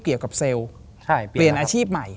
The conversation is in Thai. เกี่ยวกับเซลล์เปลี่ยนอาชีพใหม่